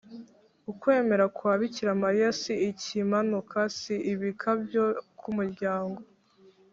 ukwemera kwa bikira mariya si ikimanuka, si ibikabyo k’umuryango